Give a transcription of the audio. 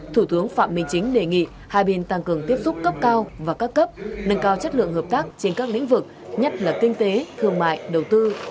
thủ tướng phạm minh chính đề nghị hai bên tăng cường tiếp xúc cấp cao và các cấp nâng cao chất lượng hợp tác trên các lĩnh vực nhất là kinh tế thương mại đầu tư